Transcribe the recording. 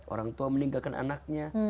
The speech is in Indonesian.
orang tua meninggalkan anaknya